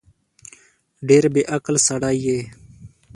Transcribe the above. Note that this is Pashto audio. ډېر بیعقل سړی یې